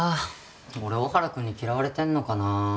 俺大原君に嫌われてんのかな